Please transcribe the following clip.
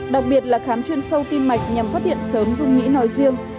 đặc biệt là khám chuyên sâu tim mạch nhằm phát hiện sớm dung nhĩ nói riêng